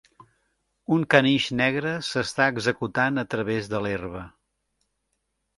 Un Caniche negre s'està executant a través de l'herba